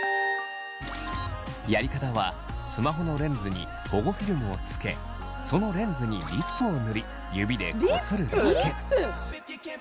やり方は、スマホのレンズに保護フィルムをつけそのレンズにリップを塗り指でこするだけ。